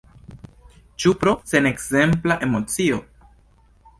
Ĉu pro senekzempla emocio?